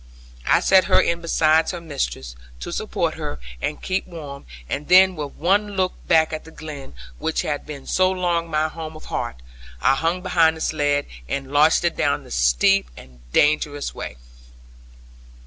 I set her in beside her mistress, to support her, and keep warm; and then with one look back at the glen, which had been so long my home of heart, I hung behind the sledd, and launched it down the steep and dangerous way.